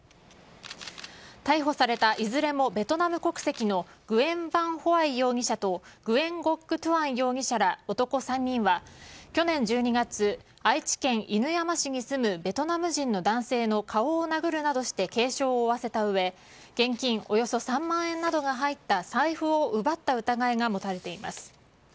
逮捕されたいずれもベトナム国籍のグエン・ヴァン・ホアイ容疑者とグエン・ゴック・トゥアン容疑者ら男３人は去年１２月愛知県犬山市に住むベトナム人の男性の顔を殴るなどして軽傷を負わせたうえ現金およそ３万円などが入った財布を奪った疑いが持たれています。